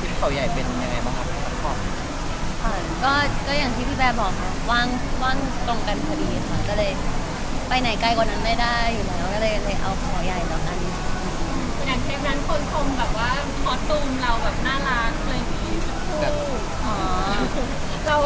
ตีมข่าวใหญ่เป็นยังไงบ้างคนของ